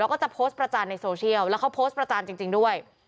แล้วก็จะโพสต์ประจานในโซเชียลแล้วเขาโพสต์ประจานจริงด้วย